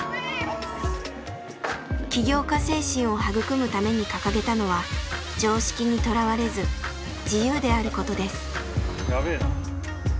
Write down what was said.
起業家精神を育むために掲げたのは常識にとらわれず「自由」であることです。